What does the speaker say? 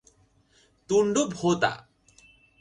তুণ্ড ভোঁতা।